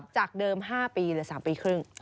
จากเดิม๕ปีหรือ๓ปีครึ่ง